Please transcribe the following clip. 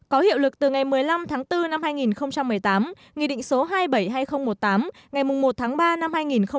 có hiệu lực từ ngày một mươi năm tháng bốn năm hai nghìn một mươi tám nghị định số hai trăm bảy mươi hai nghìn một mươi tám ngày một tháng ba năm hai nghìn một mươi chín